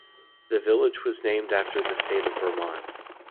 The village was named after the state of Vermont.